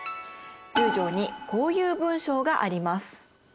１０条にこういう文章があります。